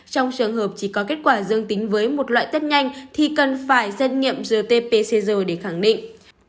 trong trường hợp chỉ có kết quả dương tính với một loại test nhanh thì cần phải xét nghiệm rt pcr để khẳng định